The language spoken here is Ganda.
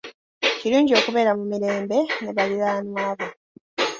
Kirungi okubeera mu mirembe ne baliraanwa bo.